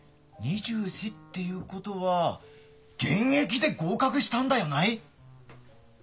２４っていうことは現役で合格したんだよない？